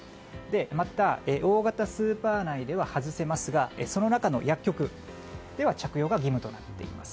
また、大型スーパー内では外せますがその中の薬局では着用が義務となっています。